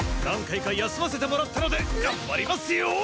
何回か休ませてもらったので頑張りますよ！